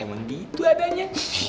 emang gitu adanya